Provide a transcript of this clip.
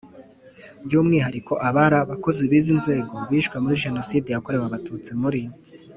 by umwihariko abari abakozi b izi nzego bishwe muri Jenoside yakorewe Abatutsi muri